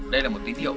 đây là một tin hiệu